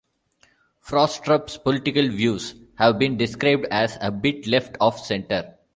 Frostrup's political views have been described as "a bit left-of-centre".